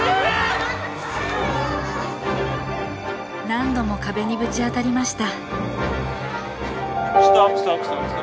何度も壁にぶち当たりました